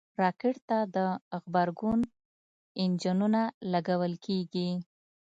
راکټ ته د غبرګون انجنونه لګول کېږي